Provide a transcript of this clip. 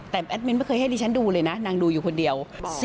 แต่แอดมินไม่เคยให้ดิฉันดูเลยนะนางดูอยู่คนเดียว